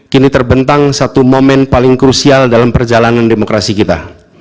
kini terbentang satu momen paling krusial dalam perjalanan demokrasi kita